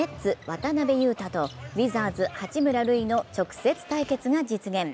渡邊雄太とウィザーズ・八村塁の直接対決が実現。